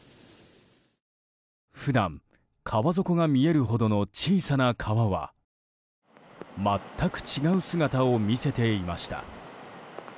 普段、川底が見えるほどの小さな川は全く違う姿を見せていました。